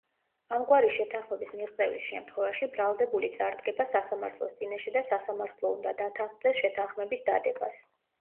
ამგვარი შეთანხმების მიღწევის შემთხვევაში ბრალდებული წარდგება სასამართლოს წინაშე და სასამართლო უნდა დათანხმდეს შეთანხმების დადებას.